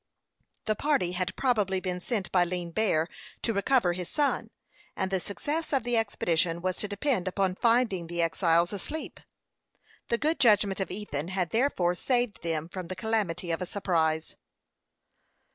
The party had probably been sent by Lean Bear to recover his son, and the success of the expedition was to depend upon finding the exiles asleep. The good judgment of Ethan had therefore saved them from the calamity of a surprise.